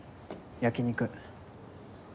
焼き肉。